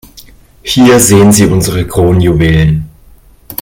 Hier sehen Sie unsere Kronjuwelen.